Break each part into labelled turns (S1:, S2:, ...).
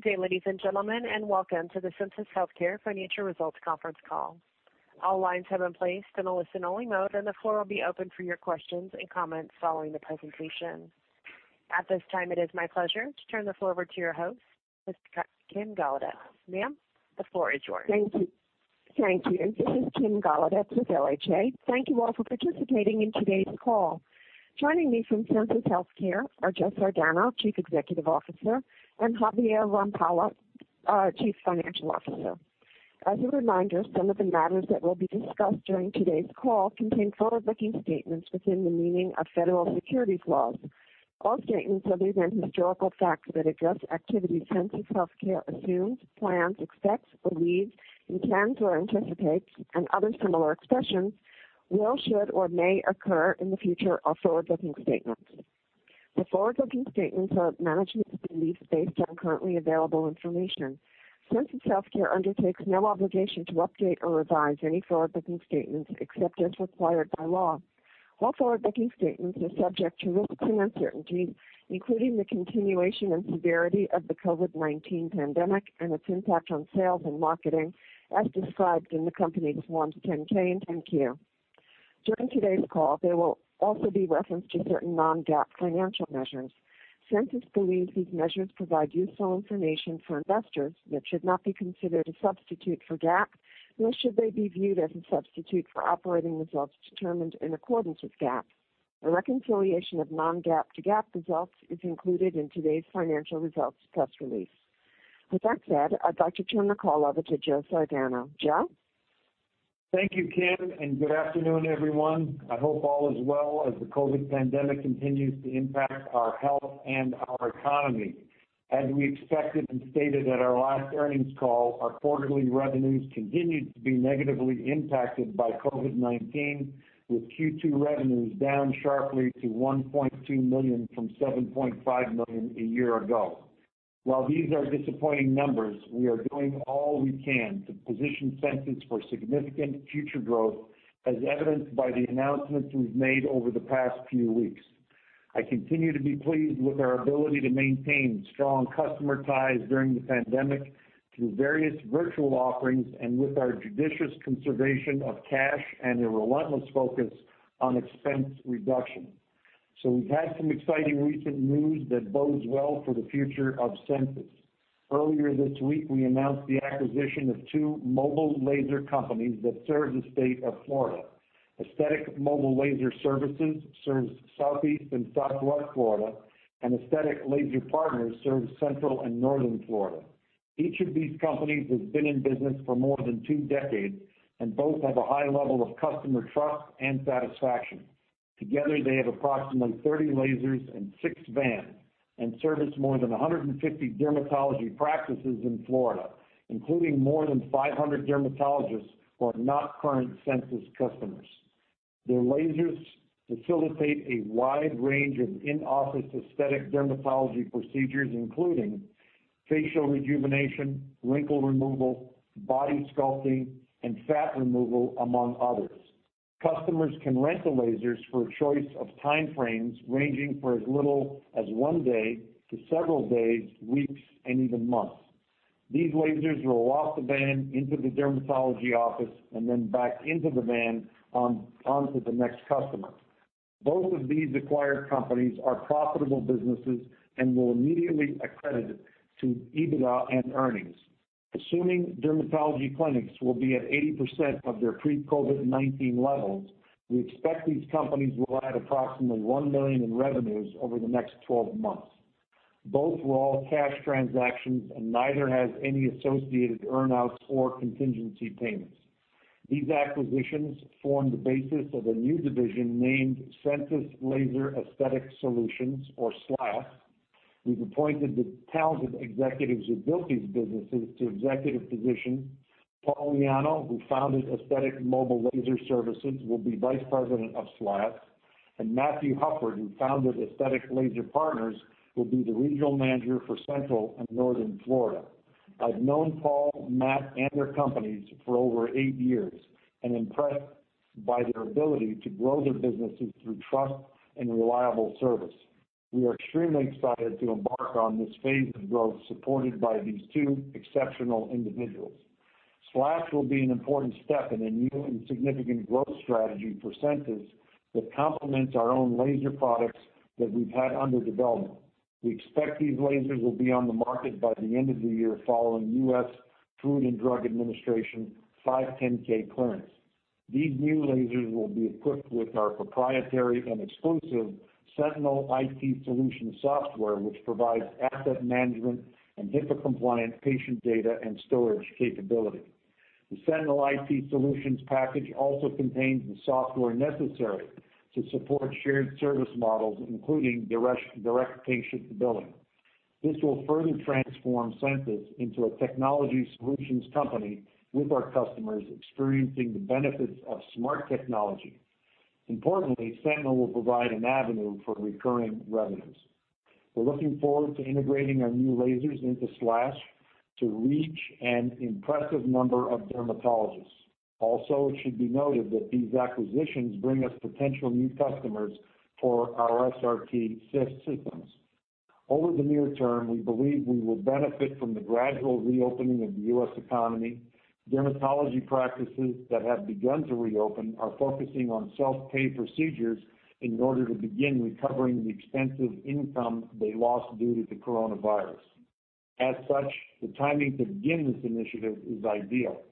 S1: Good day, ladies and gentlemen, and welcome to the Sensus Healthcare Financial Results conference call. All lines have been placed in a listen-only mode, and the floor will be open for your questions and comments following the presentation. At this time, it is my pleasure to turn the floor over to your host, Ms. Kim Golodetz. Ma'am, the floor is yours.
S2: Thank you. This is Kim Golodetz with LHA. Thank you all for participating in today's call. Joining me from Sensus Healthcare are Joe Sardano, Chief Executive Officer, and Javier Rampolla, our Chief Financial Officer. As a reminder, some of the matters that will be discussed during today's call contain forward-looking statements within the meaning of federal securities laws. All statements other than historical facts that address activities Sensus Healthcare assumes, plans, expects, believes, intends, or anticipates and other similar expressions, will, should, or may occur in the future are forward-looking statements. The forward-looking statements are management's beliefs based on currently available information. Sensus Healthcare undertakes no obligation to update or revise any forward-looking statements except as required by law. All forward-looking statements are subject to risks and uncertainties, including the continuation and severity of the COVID-19 pandemic and its impact on sales and marketing, as described in the company's Forms 10-K and 10-Q. During today's call, there will also be reference to certain non-GAAP financial measures. Sensus believes these measures provide useful information for investors that should not be considered a substitute for GAAP, nor should they be viewed as a substitute for operating results determined in accordance with GAAP. A reconciliation of non-GAAP to GAAP results is included in today's financial results press release. With that said, I'd like to turn the call over to Joe Sardano. Joe?
S3: Thank you, Kim. Good afternoon, everyone. I hope all is well as the COVID pandemic continues to impact our health and our economy. As we expected and stated at our last earnings call, our quarterly revenues continued to be negatively impacted by COVID-19, with Q2 revenues down sharply to $1.2 million from $7.5 million a year ago. While these are disappointing numbers, we are doing all we can to position Sensus for significant future growth, as evidenced by the announcements we've made over the past few weeks. I continue to be pleased with our ability to maintain strong customer ties during the pandemic through various virtual offerings and with our judicious conservation of cash and a relentless focus on expense reduction. We've had some exciting recent news that bodes well for the future of Sensus. Earlier this week, we announced the acquisition of two mobile laser companies that serve the state of Florida. Aesthetic Mobile Laser Services serves Southeast and Southwest Florida. Aesthetic Laser Partners serves Central and Northern Florida. Each of these companies has been in business for more than 2 decades. Both have a high level of customer trust and satisfaction. Together, they have approximately 30 lasers and 6 vans and service more than 150 dermatology practices in Florida, including more than 500 dermatologists who are not current Sensus customers. Their lasers facilitate a wide range of in-office aesthetic dermatology procedures, including facial rejuvenation, wrinkle removal, body sculpting, and fat removal, among others. Customers can rent the lasers for a choice of time frames ranging for as little as 1 day to several days, weeks, and even months. These lasers roll off the van into the dermatology office and then back into the van on to the next customer. Both of these acquired companies are profitable businesses and will immediately accredit to EBITDA and earnings. Assuming dermatology clinics will be at 80% of their pre-COVID-19 levels, we expect these companies will add approximately $1 million in revenues over the next 12 months. Both were all-cash transactions, and neither has any associated earn-outs or contingency payments. These acquisitions form the basis of a new division named Sensus Laser Aesthetic Solutions, or SLAS. We've appointed the talented executives who built these businesses to executive positions. Paul Miano, who founded Aesthetic Mobile Laser Services, will be Vice President of SLAS, and Matthew Hufford, who founded Aesthetic Laser Partners, will be the Regional Manager for Central and Northern Florida. I've known Paul, Matt, and their companies for over eight years and impressed by their ability to grow their businesses through trust and reliable service. We are extremely excited to embark on this phase of growth supported by these two exceptional individuals. SLAS will be an important step in a new and significant growth strategy for Sensus that complements our own laser products that we've had under development. We expect these lasers will be on the market by the end of the year following US Food and Drug Administration 510(k) clearance. These new lasers will be equipped with our proprietary and exclusive Sentinel IT Solutions software, which provides asset management and HIPAA-compliant patient data and storage capability. The Sentinel IT Solutions package also contains the software necessary to support shared service models, including direct patient billing. This will further transform Sensus into a technology solutions company with our customers experiencing the benefits of smart technology. Importantly, Sentinel will provide an avenue for recurring revenues. We're looking forward to integrating our new lasers into SLAS to reach an impressive number of dermatologists. Also, it should be noted that these acquisitions bring us potential new customers for our SRT systems. Over the near term, we believe we will benefit from the gradual reopening of the U.S. economy. Dermatology practices that have begun to reopen are focusing on self-pay procedures in order to begin recovering the extensive income they lost due to COVID-19. The timing to begin this initiative is ideal.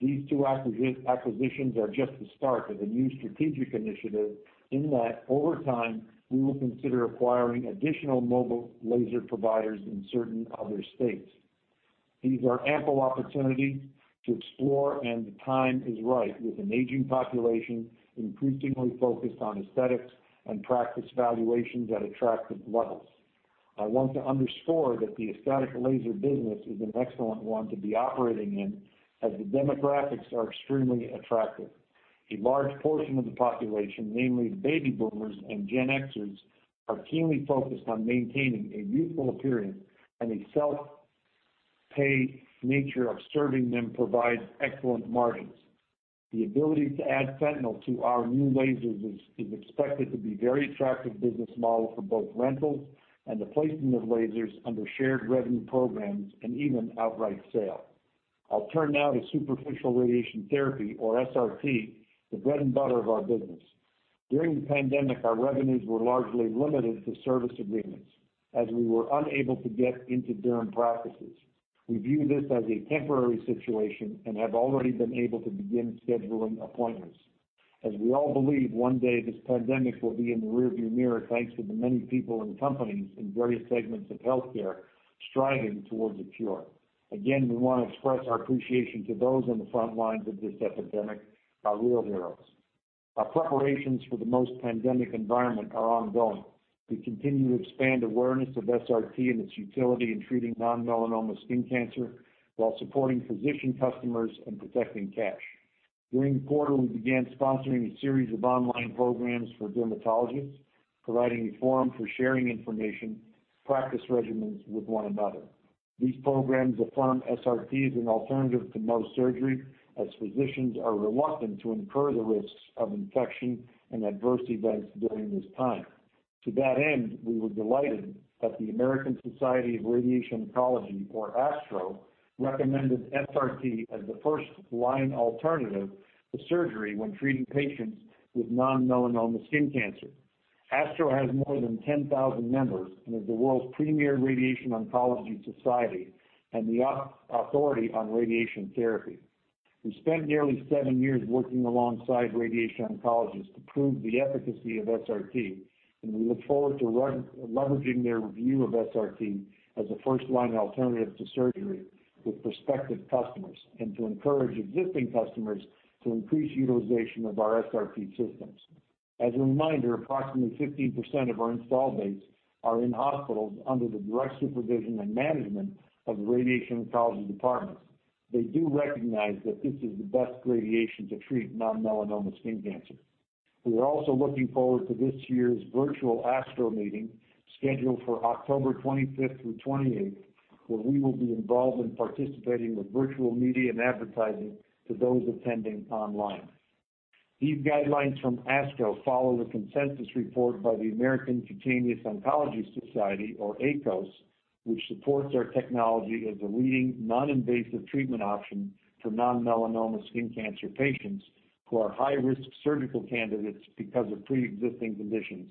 S3: These two acquisitions are just the start of a new strategic initiative in that, over time, we will consider acquiring additional mobile laser providers in certain other states. These are ample opportunities to explore, and the time is right, with an aging population increasingly focused on aesthetics and practice valuations at attractive levels. I want to underscore that the aesthetic laser business is an excellent one to be operating in, as the demographics are extremely attractive. A large portion of the population, namely baby boomers and Gen Xers, are keenly focused on maintaining a youthful appearance, and a self-pay nature of serving them provides excellent margins. The ability to add Sentinel to our new lasers is expected to be very attractive business model for both rentals and the placement of lasers under shared revenue programs, and even outright sale. I will turn now to superficial radiation therapy, or SRT, the bread and butter of our business. During the pandemic, our revenues were largely limited to service agreements, as we were unable to get into derm practices. We view this as a temporary situation and have already been able to begin scheduling appointments. As we all believe, one day this pandemic will be in the rearview mirror, thanks to the many people and companies in various segments of healthcare striving towards a cure. Again, we want to express our appreciation to those on the front lines of this epidemic, our real heroes. Our preparations for the post-pandemic environment are ongoing. We continue to expand awareness of SRT and its utility in treating non-melanoma skin cancer while supporting physician customers and protecting cash. During the quarter, we began sponsoring a series of online programs for dermatologists, providing a forum for sharing information, practice regimens with one another. These programs affirm SRT as an alternative to Mohs surgery, as physicians are reluctant to incur the risks of infection and adverse events during this time. To that end, we were delighted that the American Society for Radiation Oncology, or ASTRO, recommended SRT as the first-line alternative to surgery when treating patients with non-melanoma skin cancer. ASTRO has more than 10,000 members and is the world's premier radiation oncology society and the authority on radiation therapy. We spent nearly seven years working alongside radiation oncologists to prove the efficacy of SRT. We look forward to leveraging their view of SRT as a first-line alternative to surgery with prospective customers, and to encourage existing customers to increase utilization of our SRT systems. As a reminder, approximately 15% of our install base are in hospitals under the direct supervision and management of radiation oncology departments. They do recognize that this is the best radiation to treat non-melanoma skin cancer. We are also looking forward to this year's virtual ASTRO meeting, scheduled for October 25th through 28th, where we will be involved in participating with virtual media and advertising to those attending online. These guidelines from ASTRO follow the consensus report by the American Cutaneous Oncology Society, or ACOS, which supports our technology as a leading non-invasive treatment option for non-melanoma skin cancer patients who are high-risk surgical candidates because of preexisting conditions,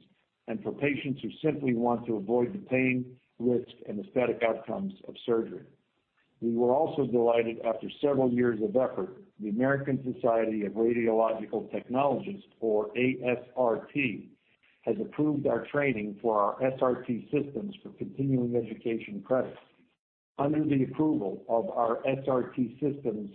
S3: and for patients who simply want to avoid the pain, risk, and aesthetic outcomes of surgery. We were also delighted, after several years of effort, the American Society of Radiologic Technologists, or ASRT, has approved our training for our SRT systems for continuing education credits. Under the approval of our SRT systems,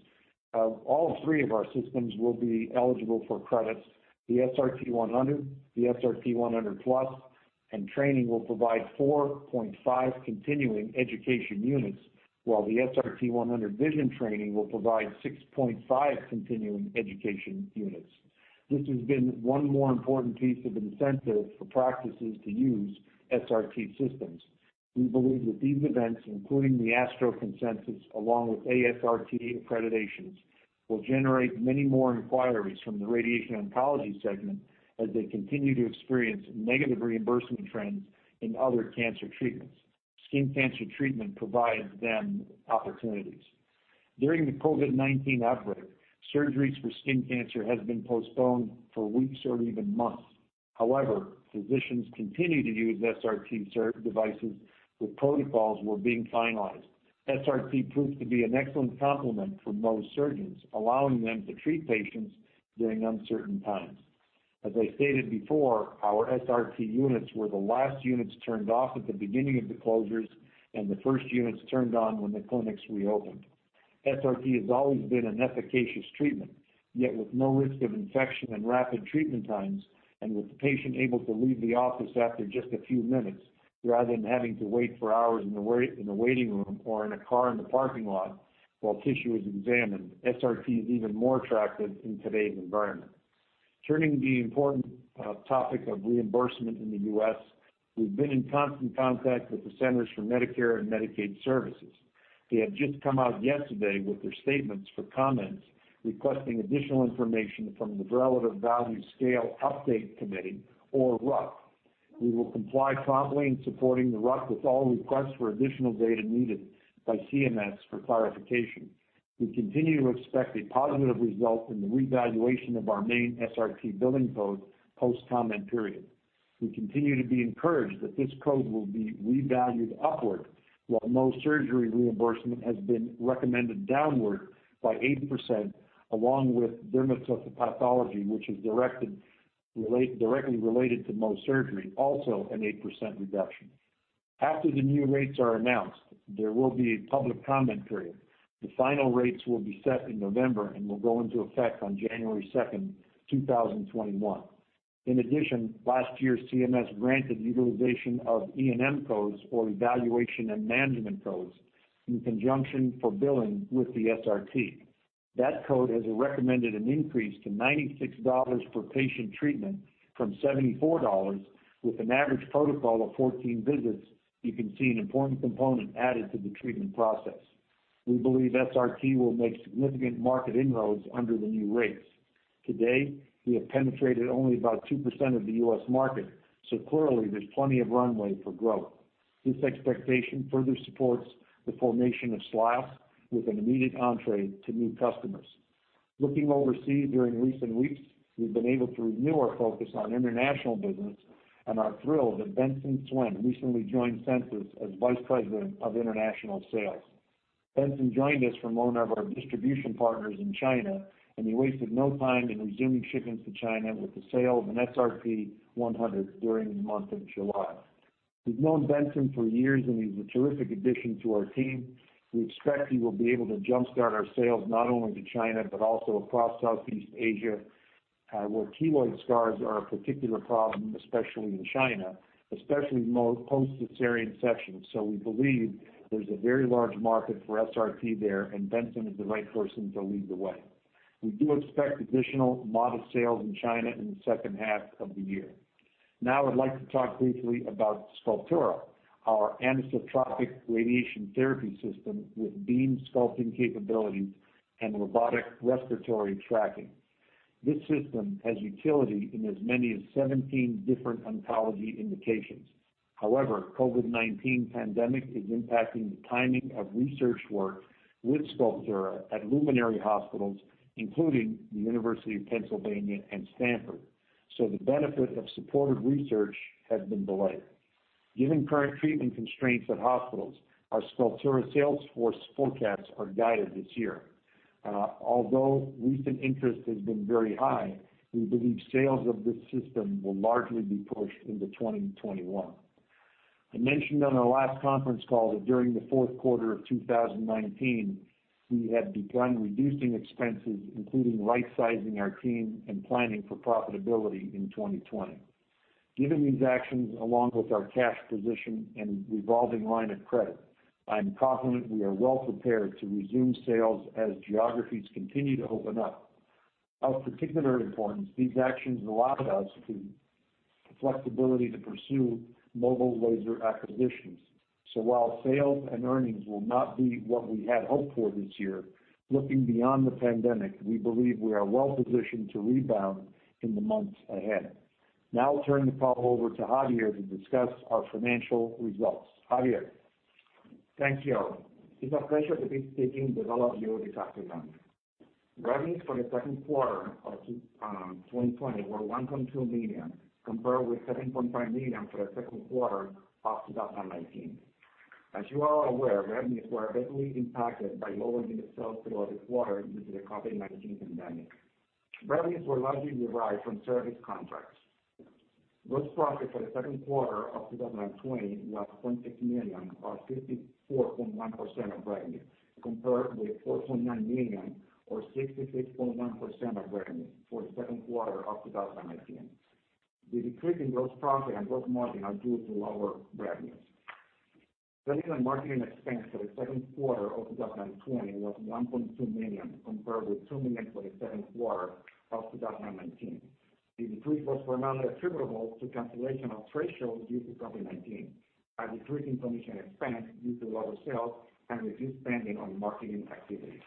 S3: all three of our systems will be eligible for credits. The SRT-100, the SRT-100+, and training will provide 4.5 continuing education units, while the SRT-100 Vision training will provide 6.5 continuing education units. This has been one more important piece of incentive for practices to use SRT systems. We believe that these events, including the ASTRO consensus along with ASRT accreditations, will generate many more inquiries from the radiation oncology segment as they continue to experience negative reimbursement trends in other cancer treatments. Skin cancer treatment provides them opportunities. During the COVID-19 outbreak, surgeries for skin cancer has been postponed for weeks or even months. However, physicians continue to use SRT devices with protocols while being finalized. SRT proved to be an excellent complement for Mohs surgeons, allowing them to treat patients during uncertain times. As I stated before, our SRT units were the last units turned off at the beginning of the closures and the first units turned on when the clinics reopened. SRT has always been an efficacious treatment, yet with no risk of infection and rapid treatment times, and with the patient able to leave the office after just a few minutes, rather than having to wait for hours in the waiting room or in a car in the parking lot while tissue is examined, SRT is even more attractive in today's environment. Turning to the important topic of reimbursement in the U.S., we've been in constant contact with the Centers for Medicare and Medicaid Services. They have just come out yesterday with their statements for comments, requesting additional information from the Relative Value Scale Update Committee, or RUC. We will comply promptly in supporting the RUC with all requests for additional data needed by CMS for clarification. We continue to expect a positive result in the revaluation of our main SRT billing code post-comment period. We continue to be encouraged that this code will be revalued upward, while Mohs surgery reimbursement has been recommended downward by 80%, along with dermatopathology, which is directly related to Mohs surgery, also an 8% reduction. After the new rates are announced, there will be a public comment period. The final rates will be set in November and will go into effect on January 2nd, 2021. Last year, CMS granted utilization of E&M codes or Evaluation and Management codes in conjunction for billing with the SRT. That code has recommended an increase to $96 per patient treatment from $74, with an average protocol of 14 visits. You can see an important component added to the treatment process. We believe SRT will make significant market inroads under the new rates. Today, we have penetrated only about 2% of the U.S. market, clearly there's plenty of runway for growth. This expectation further supports the formation of SLAS with an immediate entree to new customers. Looking overseas during recent weeks, we've been able to renew our focus on international business and are thrilled that Benson Suen recently joined Sensus as Vice President of International Sales. Benson joined us from one of our distribution partners in China, he wasted no time in resuming shipments to China with the sale of an SRT-100 during the month of July. We've known Benson for years, he's a terrific addition to our team. We expect he will be able to jumpstart our sales not only to China but also across Southeast Asia, where keloid scars are a particular problem, especially in China, especially post-cesarean section. We believe there's a very large market for SRT there, and Benson is the right person to lead the way. We do expect additional modest sales in China in the second half of the year. I'd like to talk briefly about Sculptura, our anisotropic radiation therapy system with beam sculpting capabilities and robotic respiratory tracking. This system has utility in as many as 17 different oncology indications. COVID-19 pandemic is impacting the timing of research work with Sculptura at luminary hospitals, including the University of Pennsylvania and Stanford. The benefit of supportive research has been delayed. Given current treatment constraints at hospitals, our Sculptura sales force forecasts are guided this year. Although recent interest has been very high, we believe sales of this system will largely be pushed into 2021. I mentioned on our last conference call that during the fourth quarter of 2019, we had begun reducing expenses, including right-sizing our team and planning for profitability in 2020. Given these actions along with our cash position and revolving line of credit, I am confident we are well prepared to resume sales as geographies continue to open up. Of particular importance, these actions allowed us the flexibility to pursue mobile laser acquisitions. While sales and earnings will not be what we had hoped for this year, looking beyond the pandemic, we believe we are well-positioned to rebound in the months ahead. I'll turn the call over to Javier to discuss our financial results. Javier?
S4: Thank you. It's our pleasure to be speaking with all of you this afternoon. Revenues for the second quarter of 2020 were $1.2 million, compared with $7.5 million for the second quarter of 2019. As you all are aware, revenues were heavily impacted by lower unit sales throughout the quarter due to the COVID-19 pandemic. Revenues were largely derived from service contracts. Gross profit for the second quarter of 2020 was $0.6 million, or 54.1% of revenue, compared with $4.9 million or 66.1% of revenue for the second quarter of 2019. The decrease in gross profit and gross margin are due to lower revenues. Selling and marketing expense for the second quarter of 2020 was $1.2 million, compared with $2 million for the second quarter of 2019. The decrease was primarily attributable to cancellation of trade shows due to COVID-19, a decrease in commission expense due to lower sales, and reduced spending on marketing activities.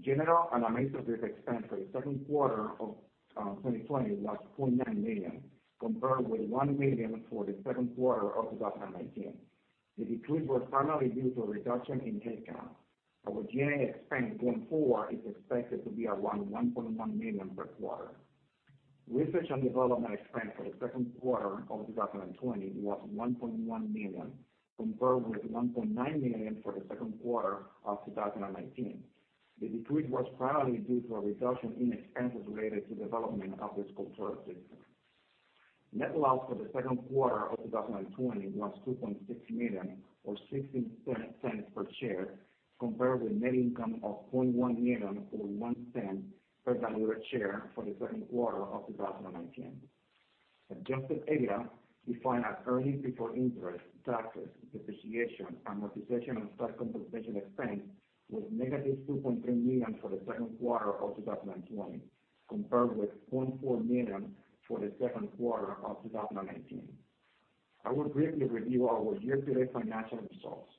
S4: General and administrative expense for the second quarter of 2020 was $0.9 million, compared with $1 million for the second quarter of 2019. The decrease was primarily due to a reduction in headcount. Our G&A expense going forward is expected to be around $1.1 million per quarter. Research and development expense for the second quarter of 2020 was $1.1 million, compared with $1.9 million for the second quarter of 2019. The decrease was primarily due to a reduction in expenses related to development of the Sculptura system. Net loss for the second quarter of 2020 was $2.6 million or $0.60 per share, compared with net income of $0.1 million, or $0.01 per diluted share for the second quarter of 2019. Adjusted EBITDA, defined as earnings before interest, taxes, depreciation, amortization, and stock compensation expense, was negative $2.3 million for the second quarter of 2020, compared with $0.4 million for the second quarter of 2019. I will briefly review our year-to-date financial results.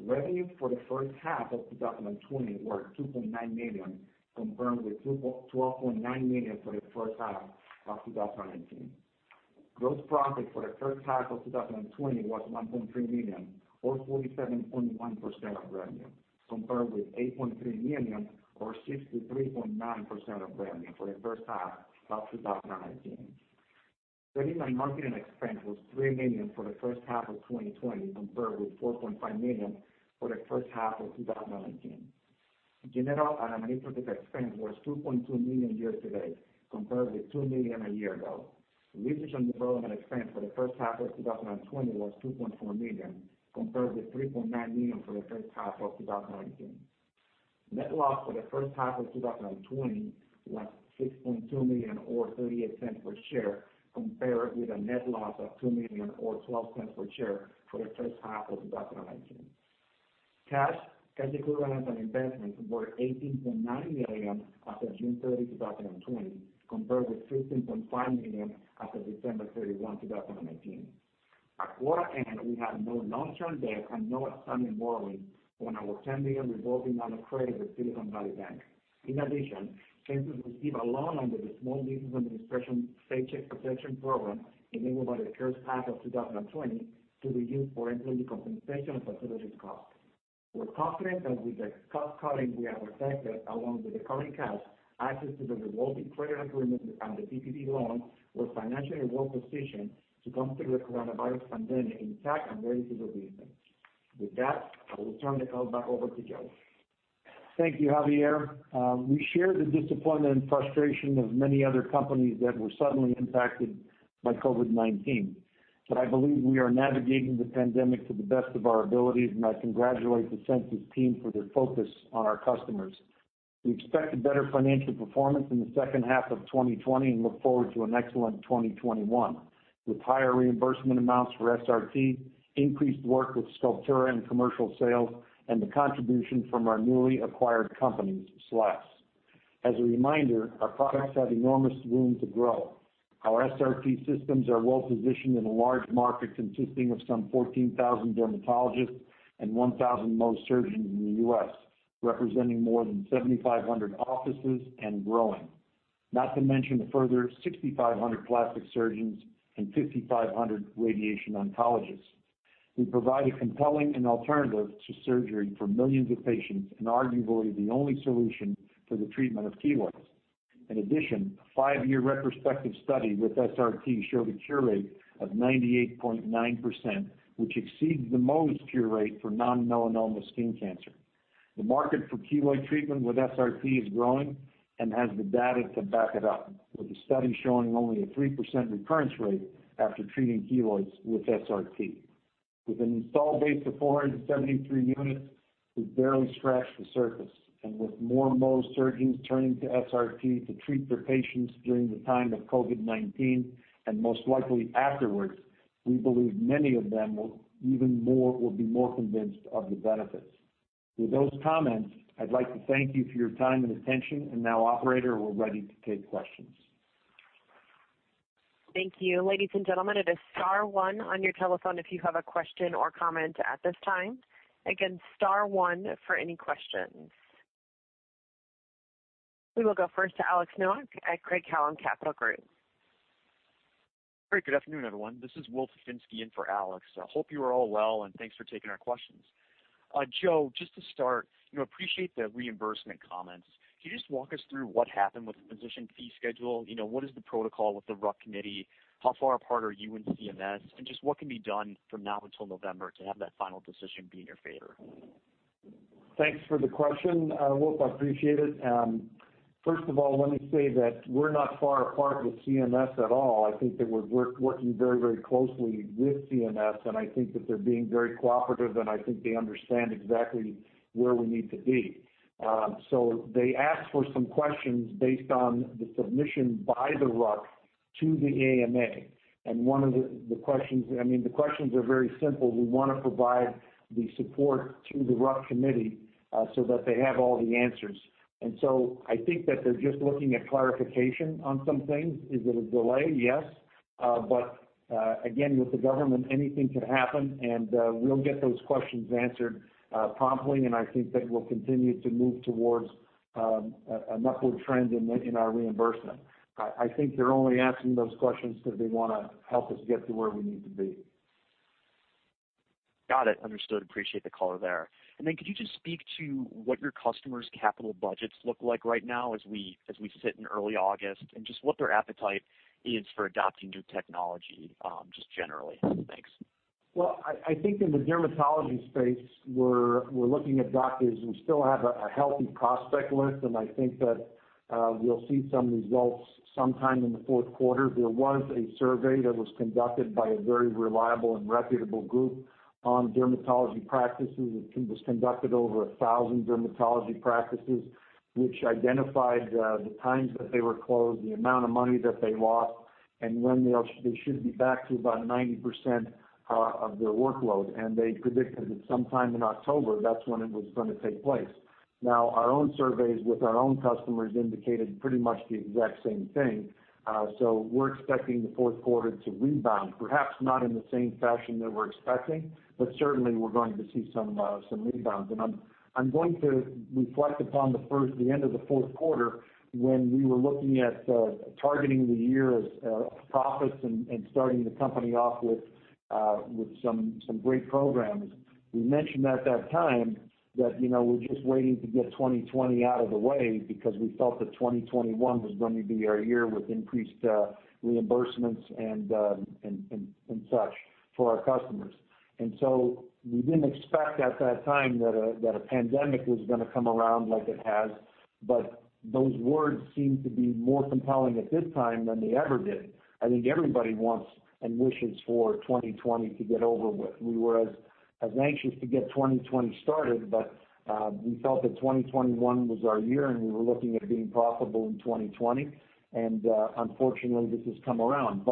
S4: Revenue for the first half of 2020 was $2.9 million, compared with $12.9 million for the first half of 2019. Gross profit for the first half of 2020 was $1.3 million or 47.1% of revenue, compared with $8.3 million or 63.9% of revenue for the first half of 2019. Selling and marketing expense was $3 million for the first half of 2020, compared with $4.5 million for the first half of 2019. General and administrative expense was $2.2 million year to date, compared with $2 million a year ago. Research and development expense for the first half of 2020 was $2.4 million, compared with $3.9 million for the first half of 2019. Net loss for the first half of 2020 was $6.2 million or $0.38 per share, compared with a net loss of $2 million or $0.12 per share for the first half of 2019. Cash, cash equivalents, and investments were $18.9 million after June 30, 2020, compared with $15.5 million after December 31, 2019. At quarter end, we have no long-term debt and no outstanding borrowing on our $10 million revolving line of credit with Silicon Valley Bank. In addition, Sensus received a loan under the Small Business Administration Paycheck Protection Program enabled by the CARES Act of 2020 to be used for employee compensation and facilities costs. We're confident that with the cost-cutting we have effected along with the current cash, access to the revolving credit agreement and the PPP loan, we're financially well-positioned to come through the coronavirus pandemic intact and ready to go deeper. With that, I will turn the call back over to Joe.
S3: Thank you, Javier. We share the disappointment and frustration of many other companies that were suddenly impacted by COVID-19. I believe we are navigating the pandemic to the best of our abilities, and I congratulate the Sensus team for their focus on our customers. We expect a better financial performance in the second half of 2020 and look forward to an excellent 2021, with higher reimbursement amounts for SRT, increased work with Sculptura and commercial sales, and the contribution from our newly acquired company, SLAS. As a reminder, our products have enormous room to grow. Our SRT systems are well positioned in a large market consisting of some 14,000 dermatologists and 1,000 Mohs surgeons in the U.S., representing more than 7,500 offices and growing. Not to mention a further 6,500 plastic surgeons and 5,500 radiation oncologists. We provide a compelling and alternative to surgery for millions of patients, and arguably the only solution for the treatment of keloids. In addition, a 5-year retrospective study with SRT showed a cure rate of 98.9%, which exceeds the Mohs cure rate for non-melanoma skin cancer. The market for keloid treatment with SRT is growing and has the data to back it up, with the study showing only a 3% recurrence rate after treating keloids with SRT. With an install base of 473 units, we've barely scratched the surface. With more Mohs surgeons turning to SRT to treat their patients during the time of COVID-19, and most likely afterwards, we believe many of them will be more convinced of the benefits. With those comments, I'd like to thank you for your time and attention, operator, we're ready to take questions.
S1: Thank you. Ladies and gentlemen, it is star one on your telephone if you have a question or comment at this time. Again, star one for any questions. We will go first to Alex Nowak at Craig-Hallum Capital Group.
S5: Great. Good afternoon, everyone. This is Will Finsky in for Alex. Hope you are all well, and thanks for taking our questions. Joe, just to start, appreciate the reimbursement comments. Can you just walk us through what happened with the physician fee schedule? What is the protocol with the RUC committee? How far apart are you and CMS? Just what can be done from now until November to have that final decision be in your favor?
S3: Thanks for the question, Will. I appreciate it. First of all, let me say that we're not far apart with CMS at all. I think that we're working very closely with CMS, and I think that they're being very cooperative, and I think they understand exactly where we need to be. They asked for some questions based on the submission by the RUC to the AMA. The questions are very simple. We want to provide the support to the RUC committee so that they have all the answers. I think that they're just looking at clarification on some things. Is it a delay? Yes. Again, with the government, anything can happen, and we'll get those questions answered promptly, and I think that we'll continue to move towards an upward trend in our reimbursement. I think they're only asking those questions because they want to help us get to where we need to be.
S5: Got it. Understood. Appreciate the color there. Then could you just speak to what your customers' capital budgets look like right now as we sit in early August, and just what their appetite is for adopting new technology, just generally? Thanks.
S3: Well, I think in the dermatology space, we're looking at doctors. We still have a healthy prospect list. I think that we'll see some results sometime in the fourth quarter. There was a survey that was conducted by a very reliable and reputable group on dermatology practices. It was conducted over 1,000 dermatology practices, which identified the times that they were closed, the amount of money that they lost, and when they should be back to about 90% of their workload. They predicted that sometime in October, that's when it was going to take place. Now our own surveys with our own customers indicated pretty much the exact same thing. We're expecting the fourth quarter to rebound, perhaps not in the same fashion that we're expecting, but certainly we're going to see some rebound. I'm going to reflect upon the end of the fourth quarter when we were looking at targeting the year of profits and starting the company off with some great programs. We mentioned at that time that we're just waiting to get 2020 out of the way because we felt that 2021 was going to be our year with increased reimbursements and such for our customers. We didn't expect at that time that a pandemic was going to come around like it has, but those words seem to be more compelling at this time than they ever did. I think everybody wants and wishes for 2020 to get over with. We were as anxious to get 2020 started, but we felt that 2021 was our year and we were looking at being profitable in 2020, and unfortunately this has come around.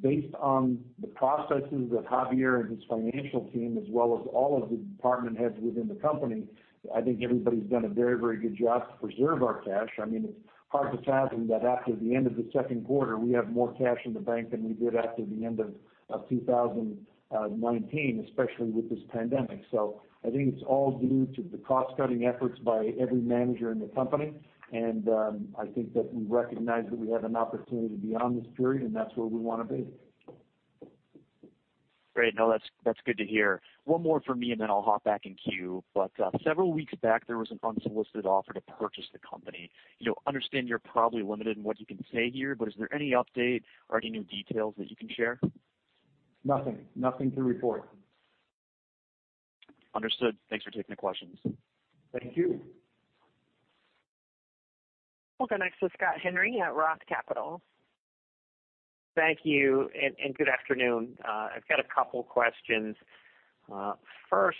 S3: Based on the processes that Javier and his financial team, as well as all of the department heads within the company, I think everybody's done a very good job to preserve our cash. It's hard to fathom that after the end of the second quarter, we have more cash in the bank than we did after the end of 2019, especially with this pandemic. I think it's all due to the cost-cutting efforts by every manager in the company, and I think that we recognize that we have an opportunity beyond this period, and that's where we want to be.
S5: Great. No, that's good to hear. One more from me and then I'll hop back in queue. Several weeks back, there was an unsolicited offer to purchase the company. Understand you're probably limited in what you can say here, is there any update or any new details that you can share?
S3: Nothing to report.
S5: Understood. Thanks for taking the questions.
S3: Thank you.
S1: We'll go next to Scott Henry at Roth Capital.
S6: Thank you, good afternoon. I've got a couple questions. First,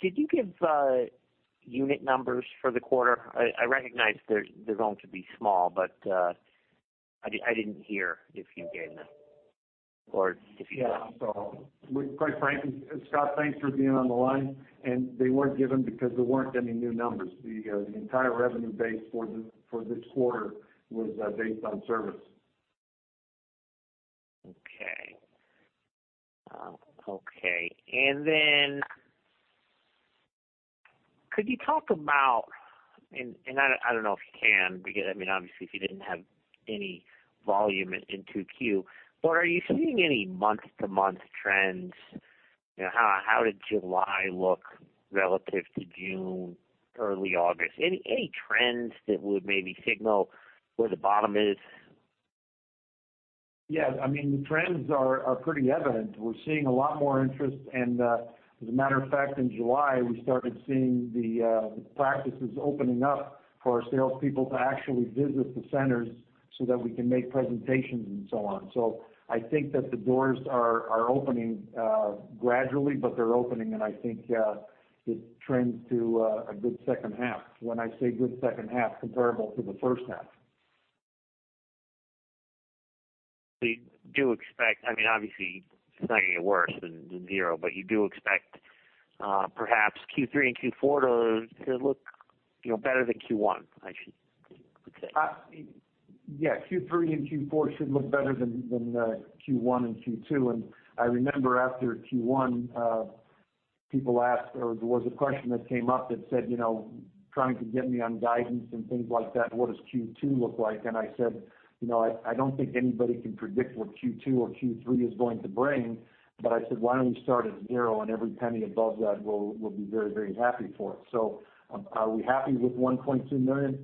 S6: did you give unit numbers for the quarter? I recognize they're going to be small, but I didn't hear if you gave them.
S3: Yeah. Quite frankly, Scott, thanks for being on the line. They weren't given because there weren't any new numbers. The entire revenue base for this quarter was based on service.
S6: Okay. Could you talk about, and I don't know if you can because obviously if you didn't have any volume in 2Q, but are you seeing any month-to-month trends? How did July look relative to June, early August? Any trends that would maybe signal where the bottom is?
S3: Yes, the trends are pretty evident. We're seeing a lot more interest. As a matter of fact, in July, we started seeing the practices opening up for our salespeople to actually visit the centers so that we can make presentations and so on. I think that the doors are opening gradually, but they're opening, and I think it trends to a good second half. When I say good second half, comparable to the first half.
S6: You do expect, obviously it's not going to get worse than zero, but you do expect perhaps Q3 and Q4 to look better than Q1, I should say?
S3: Yes. Q3 and Q4 should look better than Q1 and Q2. I remember after Q1, there was a question that came up that said, trying to get me on guidance and things like that, what does Q2 look like? I said, "I don't think anybody can predict what Q2 or Q3 is going to bring." I said, "Why don't we start at zero and every penny above that, we'll be very happy for it." Are we happy with $1.2 million?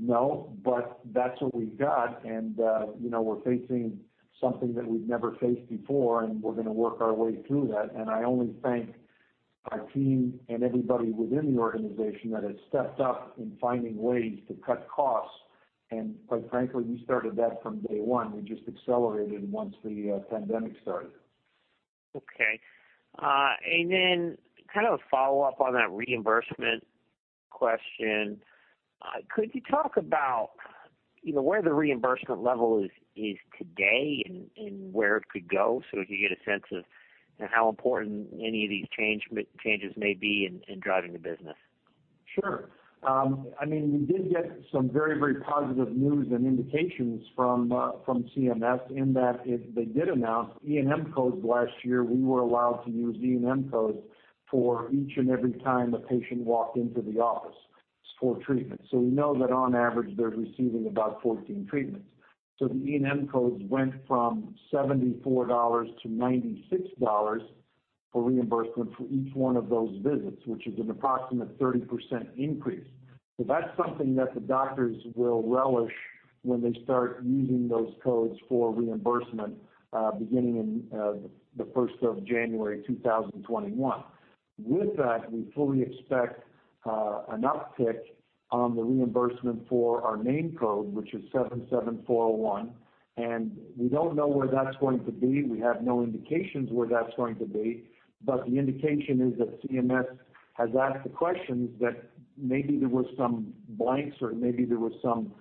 S3: No, but that's what we've got, and we're facing something that we've never faced before, and we're going to work our way through that. I only thank our team and everybody within the organization that has stepped up in finding ways to cut costs. Quite frankly, we started that from day one. We just accelerated once the pandemic started.
S6: Okay. Kind of a follow-up on that reimbursement question. Could you talk about where the reimbursement level is today and where it could go so we could get a sense of how important any of these changes may be in driving the business?
S3: Sure. We did get some very positive news and indications from CMS in that they did announce E&M codes last year. We were allowed to use E&M codes for each and every time a patient walked into the office for treatment. We know that on average, they're receiving about 14 treatments. The E&M codes went from $74 to $96 for reimbursement for each one of those visits, which is an approximate 30% increase. That's something that the doctors will relish when they start using those codes for reimbursement beginning in the 1st of January 2021. With that, we fully expect an uptick on the reimbursement for our main code, which is 77401. We don't know where that's going to be. We have no indications where that's going to be. The indication is that CMS has asked the questions that maybe there were some blanks, or maybe there was some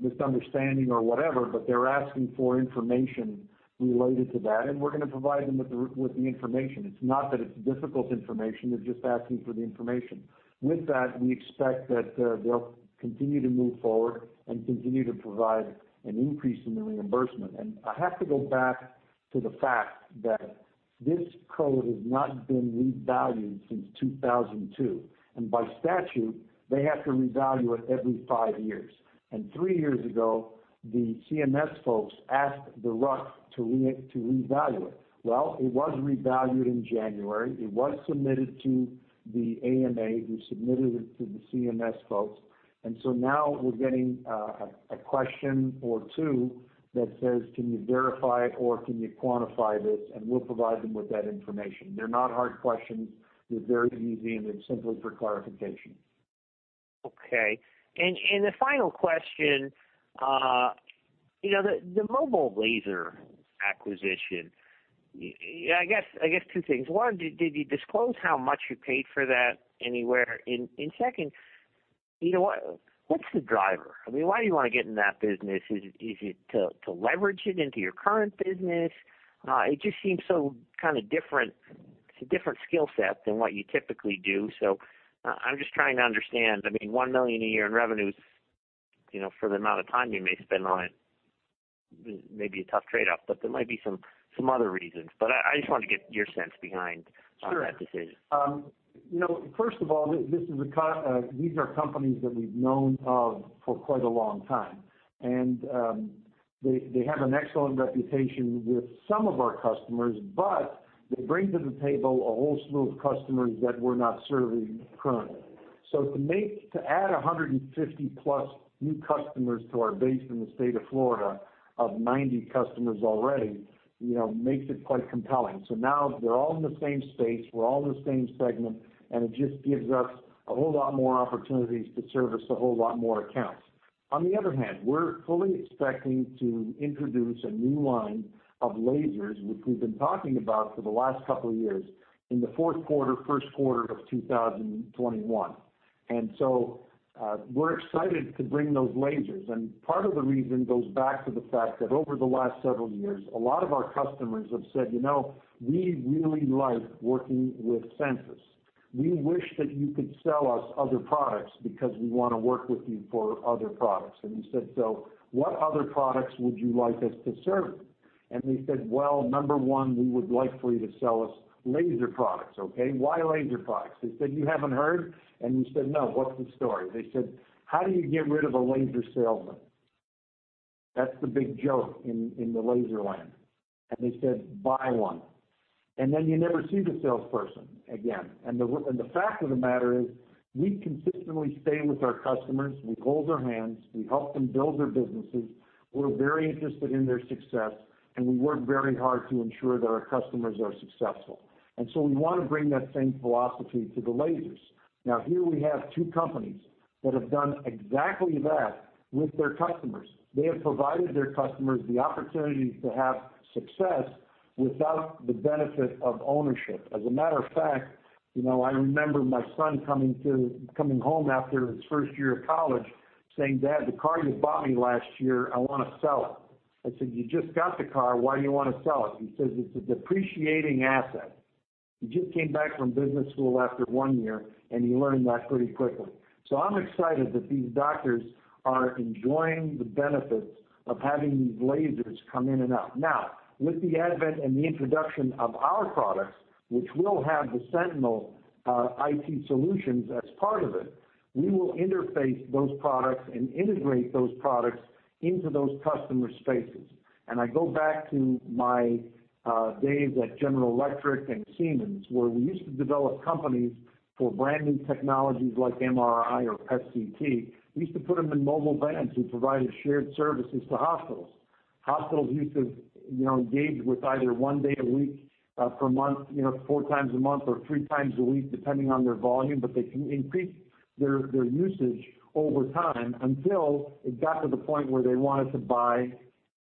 S3: misunderstanding or whatever, but they're asking for information related to that, and we're going to provide them with the information. It's not that it's difficult information. They're just asking for the information. With that, we expect that they'll continue to move forward and continue to provide an increase in the reimbursement. I have to go back to the fact that this code has not been revalued since 2002. By statute, they have to revalue it every five years. Three years ago, the CMS folks asked the RUC to revalue it. Well, it was revalued in January. It was submitted to the AMA, who submitted it to the CMS folks. Now we're getting a question or two that says, "Can you verify or can you quantify this?" We'll provide them with that information. They're not hard questions. They're very easy, and it's simply for clarification.
S6: Okay. The final question, the Mobile Laser acquisition, I guess two things. One, did you disclose how much you paid for that anywhere? Second, what's the driver? I mean, why do you want to get in that business? Is it to leverage it into your current business? It just seems so kind of different skill set than what you typically do. I'm just trying to understand. I mean, $1 million a year in revenues, for the amount of time you may spend on it, may be a tough trade-off, but there might be some other reasons. I just wanted to get your sense behind that decision.
S3: Sure. First of all, these are companies that we've known of for quite a long time. They have an excellent reputation with some of our customers, but they bring to the table a whole slew of customers that we're not serving currently. To add 150-plus new customers to our base in the state of Florida, of 90 customers already, makes it quite compelling. Now they're all in the same space, we're all in the same segment, and it just gives us a whole lot more opportunities to service a whole lot more accounts. On the other hand, we're fully expecting to introduce a new line of lasers, which we've been talking about for the last couple of years, in the fourth quarter, first quarter of 2021. We're excited to bring those lasers. Part of the reason goes back to the fact that over the last several years, a lot of our customers have said, "We really like working with Sensus. We wish that you could sell us other products because we want to work with you for other products." We said, "What other products would you like us to serve?" They said, "Well, number 1, we would like for you to sell us laser products." Okay, why laser products? They said, "You haven't heard?" We said, "No, what's the story?" They said, "How do you get rid of a laser salesman?" That's the big joke in the laser land. They said, "Buy one." Then you never see the salesperson again. The fact of the matter is, we consistently stay with our customers. We hold their hands. We help them build their businesses. We're very interested in their success, and we work very hard to ensure that our customers are successful. We want to bring that same philosophy to the lasers. Here we have two companies that have done exactly that with their customers. They have provided their customers the opportunity to have success without the benefit of ownership. As a matter of fact, I remember my son coming home after his first year of college saying, "Dad, the car you bought me last year, I want to sell it." I said, "You just got the car. Why do you want to sell it?" He says, "It's a depreciating asset." He just came back from business school after one year, and he learned that pretty quickly. I'm excited that these doctors are enjoying the benefits of having these lasers come in and out. Now, with the advent and the introduction of our products, which will have the Sentinel IT Solutions as part of it, we will interface those products and integrate those products into those customer spaces. I go back to my days at General Electric and Siemens, where we used to develop companies for brand-new technologies like MRI or CT. We used to put them in mobile vans. We provided shared services to hospitals. Hospitals used to engage with either one day a week for a month, four times a month, or three times a week, depending on their volume, but they can increase their usage over time until it got to the point where they wanted to buy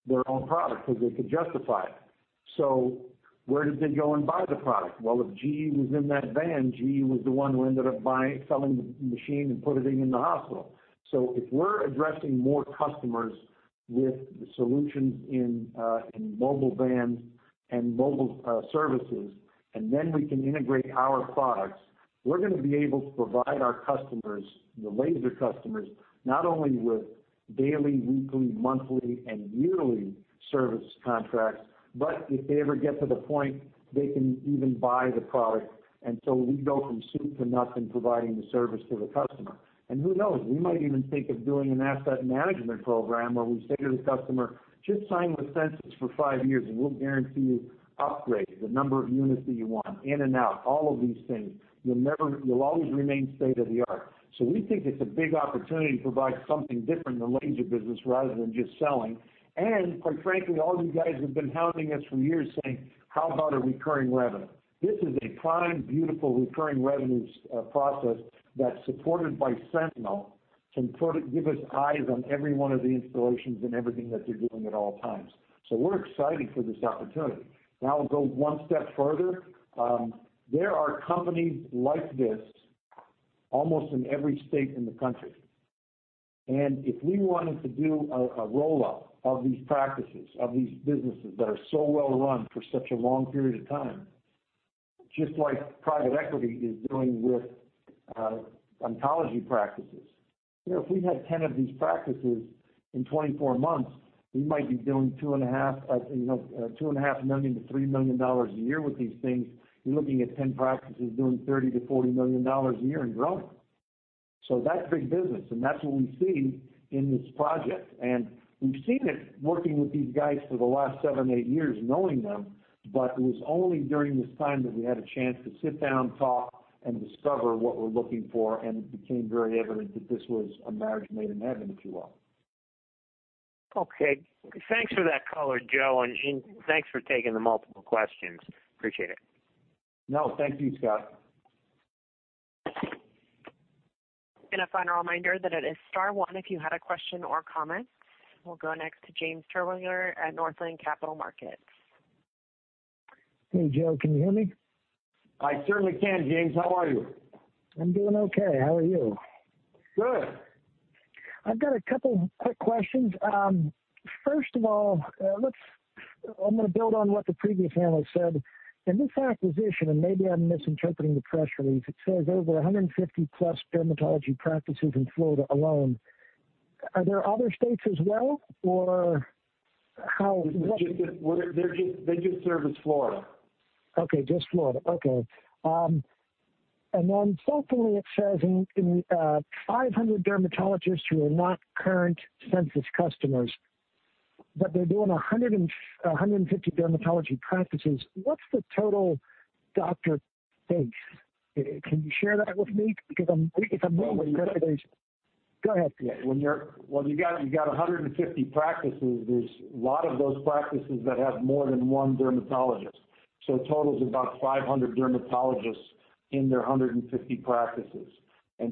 S3: their own product because they could justify it. Where did they go and buy the product? Well, if GE was in that van, GE was the one who ended up selling the machine and putting it in the hospital. If we're addressing more customers with solutions in mobile vans and mobile services, then we can integrate our products, we're going to be able to provide our customers, the laser customers, not only with daily, weekly, monthly, and yearly service contracts, but if they ever get to the point, they can even buy the product. We go from soup to nuts in providing the service to the customer. Who knows? We might even think of doing an asset management program where we say to the customer, "Just sign with Sensus for five years, and we'll guarantee you upgrades, the number of units that you want, in and out, all of these things. You'll always remain state-of-the-art." We think it's a big opportunity to provide something different in the laser business rather than just selling. Quite frankly, all you guys have been hounding us for years saying, "How about a recurring revenue?" This is a prime, beautiful recurring revenue process that's supported by Sentinel can give us eyes on every one of the installations and everything that they're doing at all times. We're excited for this opportunity. Now we'll go one step further. There are companies like this almost in every state in the country, and if we wanted to do a roll-up of these practices, of these businesses that are so well run for such a long period of time, just like private equity is doing with oncology practices. If we had 10 of these practices in 24 months, we might be doing $2.5 million-$3 million a year with these things. You're looking at 10 practices doing $30 million-$40 million a year and growing. That's big business, and that's what we see in this project. We've seen it working with these guys for the last seven, eight years knowing them, but it was only during this time that we had a chance to sit down, talk, and discover what we're looking for, and it became very evident that this was a marriage made in heaven, if you will.
S6: Okay. Thanks for that color, Joe, and thanks for taking the multiple questions. Appreciate it.
S3: No, thank you, Scott.
S1: A final reminder that it is star one if you had a question or comment. We'll go next to James Terwilliger at Northland Capital Markets.
S7: Hey, Joe, can you hear me?
S3: I certainly can, James, how are you?
S7: I'm doing okay. How are you?
S3: Good.
S7: I've got a couple quick questions. First of all, I'm going to build on what the previous panel said. In this acquisition, and maybe I'm misinterpreting the press release, it says over 150 plus dermatology practices in Florida alone. Are there other states as well or how-
S3: They just service Florida.
S7: Okay. Just Florida. Okay. Secondly, it says in 500 dermatologists who are not current Sensus customers, but they're doing 150 dermatology practices. What's the total doctor base? Can you share that with me? If I'm doing the calculation Go ahead.
S3: When you've got 150 practices, there's a lot of those practices that have more than one dermatologist. It totals about 500 dermatologists in their 150 practices. In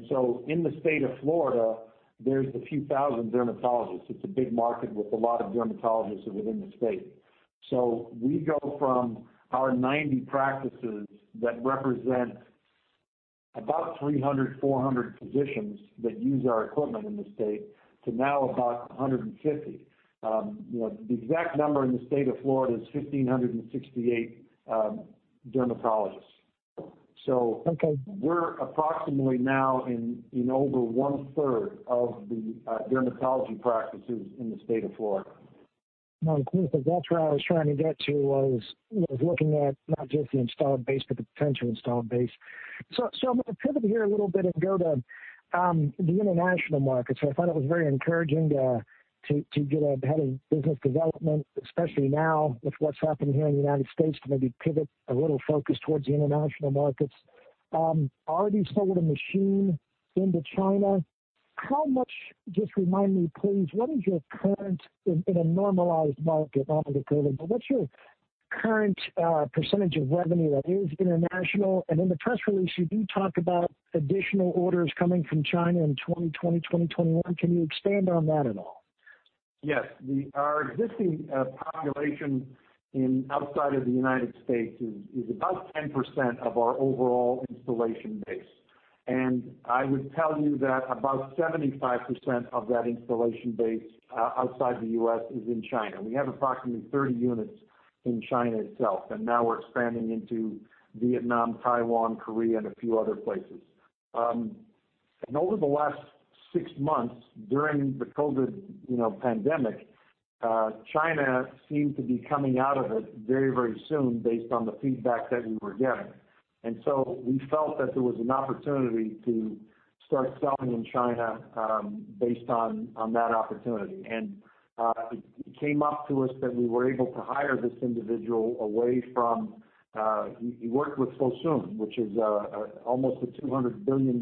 S3: the state of Florida, there's a few thousand dermatologists. It's a big market with a lot of dermatologists within the state. We go from our 90 practices that represent about 300, 400 physicians that use our equipment in the state to now about 150. The exact number in the state of Florida is 1,568 dermatologists.
S7: Okay.
S3: We're approximately now in over 1/3 of the dermatology practices in the state of Florida.
S7: No, that's where I was trying to get to was looking at not just the installed base, but the potential installed base. I'm going to pivot here a little bit and go to the international market. I thought it was very encouraging to get a head of business development, especially now with what's happening here in the United States, to maybe pivot a little focus towards the international markets. Already sold a machine into China. How much, just remind me, please, what is your current, in a normalized market, not with the COVID, but what's your current % of revenue that is international? In the press release, you do talk about additional orders coming from China in 2020, 2021. Can you expand on that at all?
S3: Yes. Our existing population outside of the U.S. is about 10% of our overall installation base. I would tell you that about 75% of that installation base outside the U.S. is in China. We have approximately 30 units in China itself. Now we're expanding into Vietnam, Taiwan, Korea, and a few other places. Over the last six months during the COVID-19 pandemic, China seemed to be coming out of it very, very soon based on the feedback that we were getting. We felt that there was an opportunity to start selling in China based on that opportunity. It came up to us that we were able to hire this individual. He worked with Fosun, which is almost a $200 billion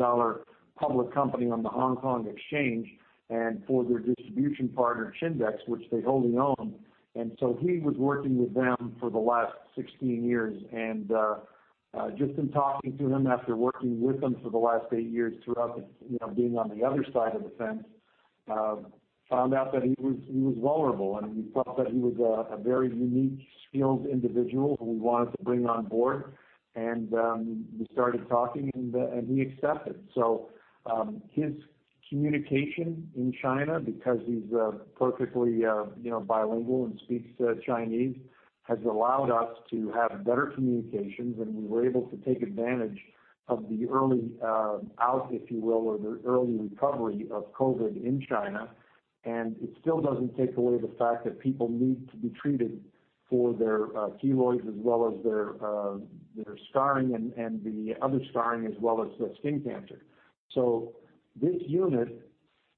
S3: public company on the Hong Kong Stock Exchange, and for their distribution partner, Shyndec, which they wholly own. He was working with them for the last 16 years. Just in talking to him after working with him for the last eight years throughout being on the other side of the fence, found out that he was vulnerable. We felt that he was a very unique, skilled individual who we wanted to bring on board. We started talking, and he accepted. His communication in China, because he's perfectly bilingual and speaks Chinese, has allowed us to have better communications, and we were able to take advantage of the early out, if you will, or the early recovery of COVID in China. It still doesn't take away the fact that people need to be treated for their keloids as well as their scarring and the other scarring as well as skin cancer. This unit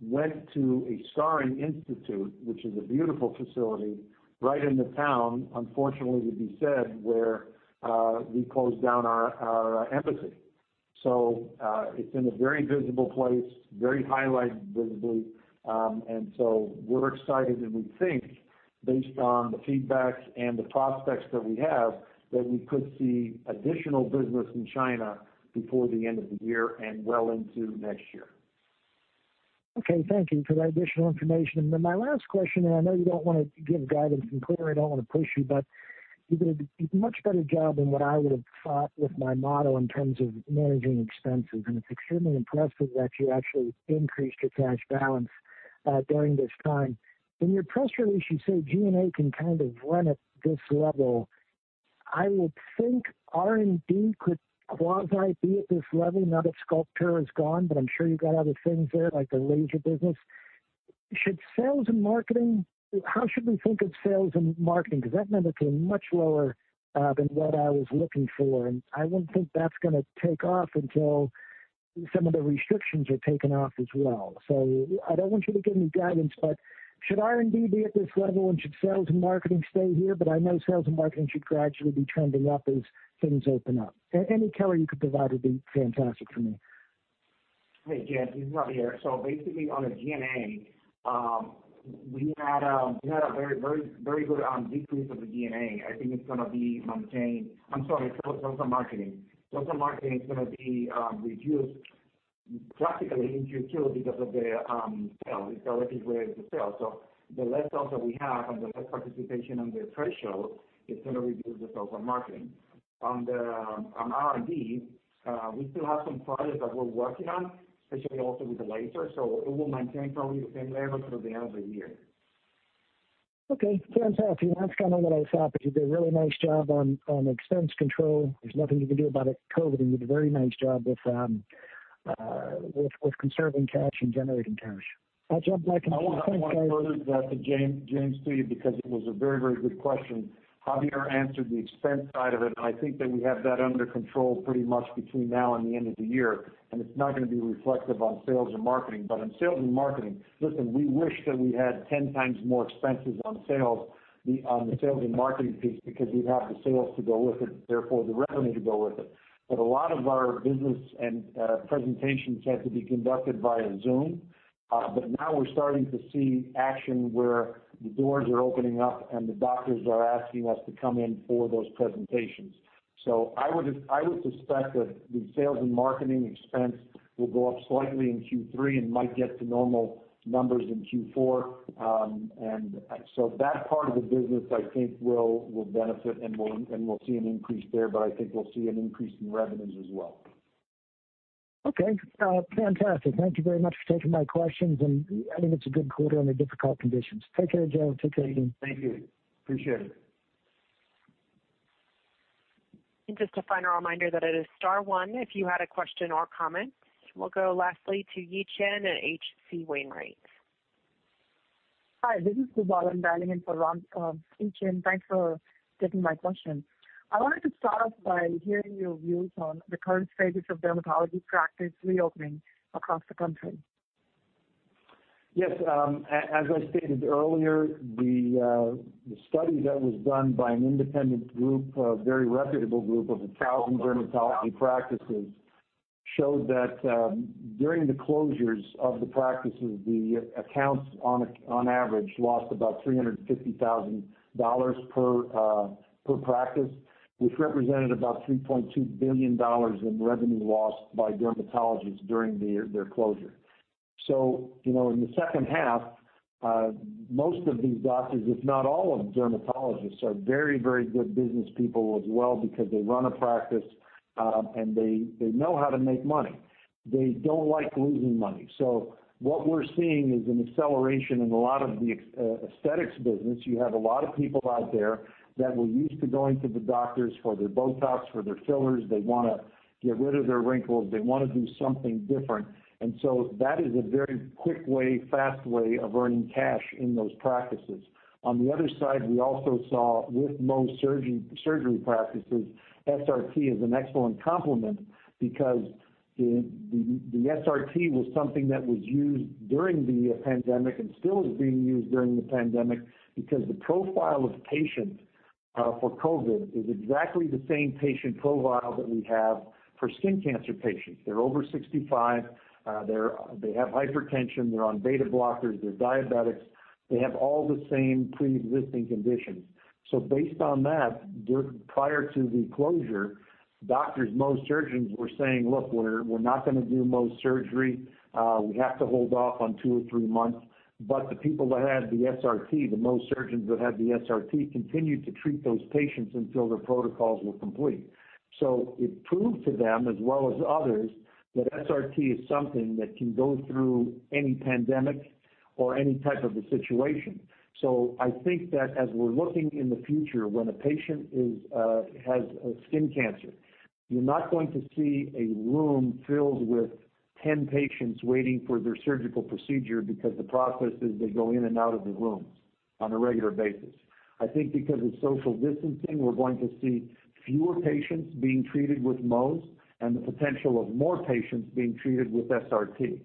S3: went to a scarring institute, which is a beautiful facility right in the town, unfortunately, to be said, where we closed down our embassy. It's in a very visible place, very highlighted visibly, and so we're excited and we think, based on the feedback and the prospects that we have, that we could see additional business in China before the end of the year and well into next year.
S7: Okay. Thank you for that additional information. My last question, I know you don't want to give guidance, clearly I don't want to push you did a much better job than what I would have thought with my model in terms of managing expenses, it's extremely impressive that you actually increased your cash balance during this time. In your press release, you say G&A can kind of run at this level. I would think R&D could quasi be at this level, now that Sculptura is gone, I'm sure you've got other things there, like the laser business. How should we think of sales and marketing? That number came much lower than what I was looking for, I wouldn't think that's going to take off until some of the restrictions are taken off as well. I don't want you to give me guidance, but should R&D be at this level, and should sales and marketing stay here? I know sales and marketing should gradually be trending up as things open up. Any color you could provide would be fantastic for me.
S4: Hey, James, this is Javier. Basically on the G&A, we had a very good decrease of the G&A. I think it's going to be maintained. I'm sorry, sales and marketing. Sales and marketing is going to be reduced drastically in Q2 because of the sales. It's directly related to sales. The less sales that we have and the less participation in the trade show, it's going to reduce the sales and marketing. On R&D, we still have some products that we're working on, especially also with the laser, so it will maintain probably the same level through the end of the year.
S7: Okay, fantastic. That's kind of what I thought, but you did a really nice job on expense control. There's nothing you can do about COVID, and you did a very nice job with conserving cash and generating cash. I'll jump back in queue. Thanks, guys.
S3: I want to further that to James, too, because it was a very good question. Javier answered the expense side of it. I think that we have that under control pretty much between now and the end of the year. It's not going to be reflective on sales and marketing. On sales and marketing, listen, we wish that we had 10 times more expenses on the sales and marketing piece because we'd have the sales to go with it, therefore the revenue to go with it. A lot of our business and presentations had to be conducted via Zoom. Now we're starting to see action where the doors are opening up. The doctors are asking us to come in for those presentations. I would suspect that the sales and marketing expense will go up slightly in Q3 and might get to normal numbers in Q4. That part of the business, I think, will benefit, and we'll see an increase there, but I think we'll see an increase in revenues as well.
S7: Okay. Fantastic. Thank you very much for taking my questions. I think it's a good quarter under difficult conditions. Take care, Joe. Take care, James.
S3: Thank you. Appreciate it.
S1: Just a final reminder that it is star one if you had a question or comment. We'll go lastly to Yi Chen at H.C. Wainwright.
S8: Hi, this is Zubal. I'm dialing in for Yi Chen. Thanks for taking my question. I wanted to start off by hearing your views on the current status of dermatology practice reopening across the country.
S3: Yes. As I stated earlier, the study that was done by an independent group, a very reputable group of 1,000 dermatology practices, showed that during the closures of the practices, the accounts on average lost about $350,000 per practice, which represented about $3.2 billion in revenue lost by dermatologists during their closure. In the second half, most of these doctors, if not all of the dermatologists, are very good businesspeople as well because they run a practice, and they know how to make money. They don't like losing money. What we're seeing is an acceleration in a lot of the aesthetics business. You have a lot of people out there that were used to going to the doctors for their BOTOX, for their fillers. They want to get rid of their wrinkles. They want to do something different. That is a very quick way, fast way of earning cash in those practices. On the other side, we also saw with Mohs surgery practices, SRT is an excellent complement because the SRT was something that was used during the pandemic and still is being used during the pandemic because the profile of patients for COVID is exactly the same patient profile that we have for skin cancer patients. They're over 65. They have hypertension. They're on beta blockers. They're diabetics. They have all the same preexisting conditions. Based on that, prior to the closure, doctors, Mohs surgeons were saying, "Look, we're not going to do Mohs surgery. We have to hold off on two or three months." The people that had the SRT, the Mohs surgeons that had the SRT, continued to treat those patients until their protocols were complete. It proved to them as well as others that SRT is something that can go through any pandemic or any type of a situation. I think that as we're looking in the future, when a patient has skin cancer, you're not going to see a room filled with 10 patients waiting for their surgical procedure because the process is they go in and out of the rooms on a regular basis. I think because of social distancing, we're going to see fewer patients being treated with Mohs and the potential of more patients being treated with SRT.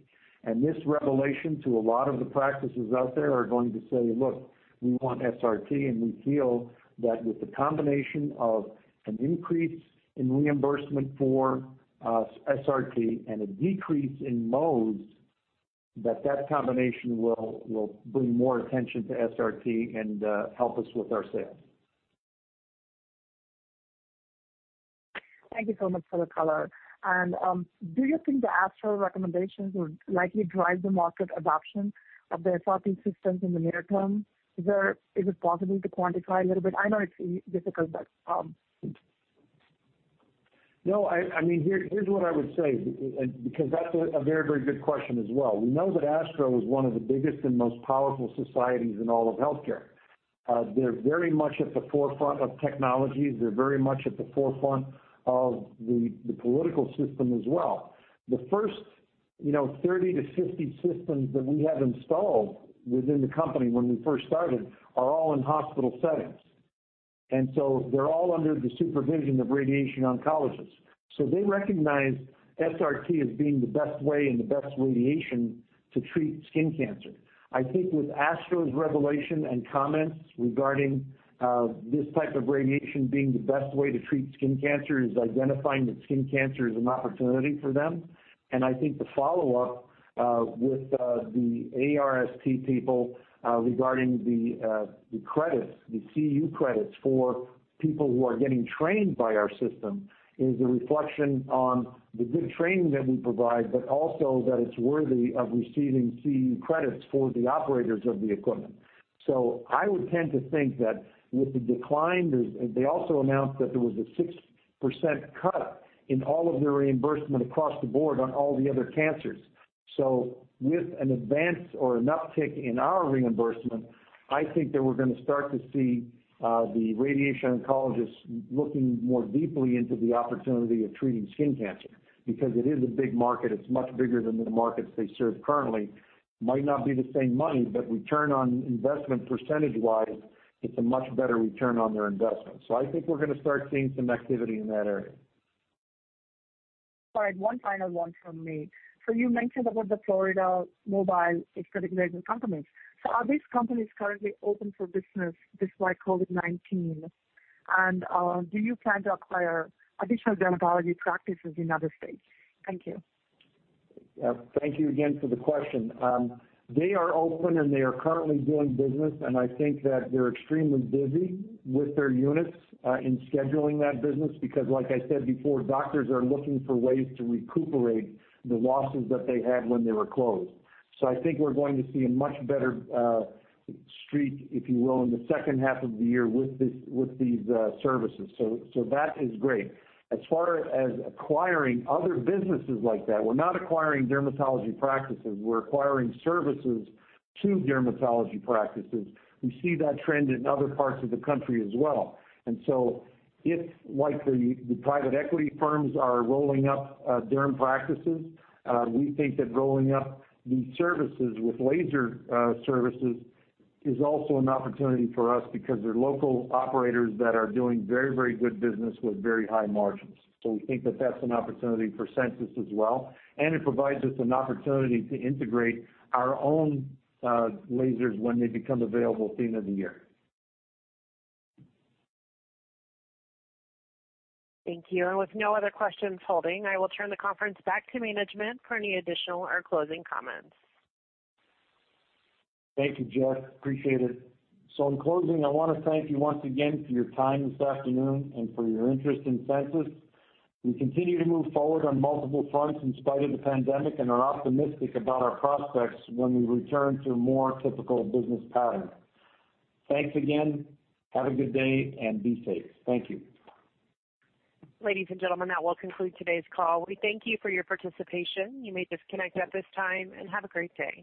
S3: This revelation to a lot of the practices out there are going to say, "Look, we want SRT," and we feel that with the combination of an increase in reimbursement for SRT and a decrease in Mohs, that combination will bring more attention to SRT and help us with our sales.
S8: Thank you so much for the color. Do you think the ASTRO recommendations would likely drive the market adoption of the SRT systems in the near term? Is it possible to quantify a little bit? I know it's difficult.
S3: Here's what I would say, because that's a very good question as well. We know that ASTRO is one of the biggest and most powerful societies in all of healthcare. They're very much at the forefront of technology. They're very much at the forefront of the political system as well. The first 30 to 50 systems that we have installed within the company when we first started, are all in hospital settings. They're all under the supervision of radiation oncologists. They recognize SRT as being the best way and the best radiation to treat skin cancer. I think with ASTRO's revelation and comments regarding this type of radiation being the best way to treat skin cancer, is identifying that skin cancer is an opportunity for them. I think the follow-up with the ASRT people regarding the credits, the CEU credits for people who are getting trained by our system, is a reflection on the good training that we provide, but also that it's worthy of receiving CEU credits for the operators of the equipment. I would tend to think that with the decline, they also announced that there was a 6% cut in all of their reimbursement across the board on all the other cancers. With an advance or an uptick in our reimbursement, I think that we're going to start to see the radiation oncologists looking more deeply into the opportunity of treating skin cancer. It is a big market, it's much bigger than the markets they serve currently. Might not be the same money, but return on investment percentage-wise, it's a much better return on their investment. I think we're going to start seeing some activity in that area.
S8: All right. One final one from me. You mentioned about the Florida Mobile Aesthetic Laser companies. Are these companies currently open for business despite COVID-19? Do you plan to acquire additional dermatology practices in other states? Thank you.
S3: Thank you again for the question. They are open and they are currently doing business, and I think that they're extremely busy with their units in scheduling that business because like I said before, doctors are looking for ways to recuperate the losses that they had when they were closed. I think we're going to see a much better streak, if you will, in the second half of the year with these services. That is great. As far as acquiring other businesses like that, we're not acquiring dermatology practices, we're acquiring services to dermatology practices. We see that trend in other parts of the country as well. If, like the private equity firms are rolling up derm practices, we think that rolling up these services with laser services is also an opportunity for us because they're local operators that are doing very good business with very high margins. We think that that's an opportunity for Sensus as well, and it provides us an opportunity to integrate our own lasers when they become available at the end of the year.
S1: Thank you. With no other questions holding, I will turn the conference back to management for any additional or closing comments.
S3: Thank you, Jess, appreciate it. In closing, I want to thank you once again for your time this afternoon and for your interest in Sensus. We continue to move forward on multiple fronts in spite of the pandemic and are optimistic about our prospects when we return to a more typical business pattern. Thanks again. Have a good day and be safe. Thank you.
S1: Ladies and gentlemen, that will conclude today's call. We thank you for your participation. You may disconnect at this time. Have a great day.